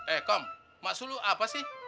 eh kom maksud lo apa sih